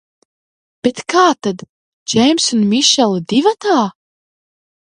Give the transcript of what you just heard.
"Bet kā tad "Džims un Mišela divatā"?"